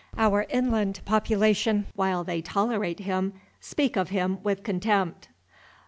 Our inland population, while they tolerate him, speak of him with contempt.